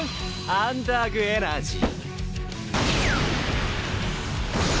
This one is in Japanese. アンダーグ・エナジー！